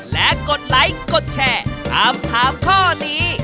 และกดไลค์กดแชร์ถามถามข้อนี้